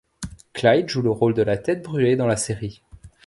Clyde joue le rôle de la tête brûlée dans la série.